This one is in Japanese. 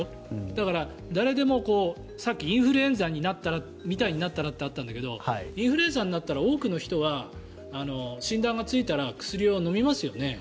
だから、誰でもさっきインフルエンザみたいになったらってあったんだけどインフルエンザになったら多くの人は、診断がついたら薬を飲みますよね。